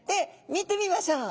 見てみましょう。